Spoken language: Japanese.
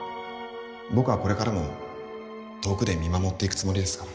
僕はこれからも遠くで見守っていくつもりですから